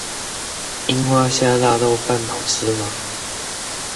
櫻花蝦臘肉飯好吃嗎？